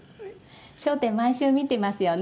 『笑点』毎週見てますよね？